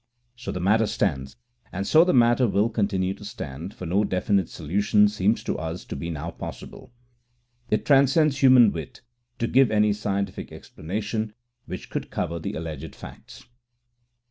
So the matter stands, and so the matter will continue to stand, for no definite solution seems to us to be now possible. It transcends human wit to give any scientific explanation which could cover the alleged facts."